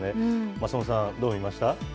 松本さん、どう見ました？